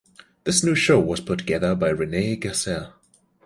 This new show was put together by Rene Gasser.